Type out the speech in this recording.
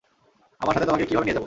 আমার সাথে তোমাকে কীভাবে নিয়ে যাবো?